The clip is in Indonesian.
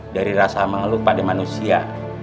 dari rasa mengeluh pada manusia